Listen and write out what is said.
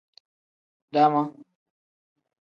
Dama.